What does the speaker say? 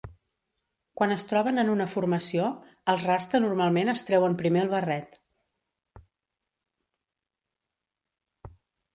Quan es troben en una formació, els rasta normalment es treuen primer el barret.